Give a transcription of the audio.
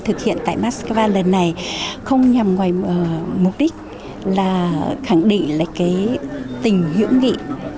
thực hiện tại moscow lần này không nhằm ngoài mục đích là khẳng định là cái tình hữu nghị